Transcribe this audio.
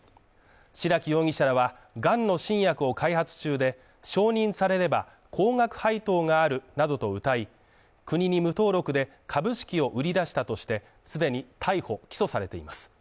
白木容疑者らは、がんの新薬を開発中で、承認されれば、高額配当があるなどとうたい、国に無登録で株式を売り出したとして、既に逮捕・起訴されています。